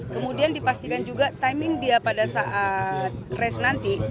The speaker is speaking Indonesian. kemudian dipastikan juga timing dia pada saat race nanti